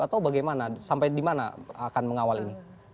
atau bagaimana sampai dimana akan mengawal ini